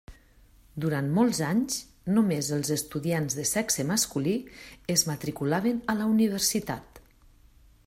Durant molts anys, només els estudiants de sexe masculí es matriculaven a la universitat.